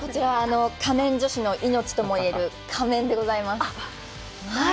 仮面女子の命ともいえる仮面でございます。